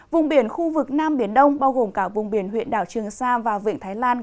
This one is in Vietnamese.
vùng biển khu vực nam biển đông bao gồm cả vùng biển huyện đảo trường sa và vịnh thái lan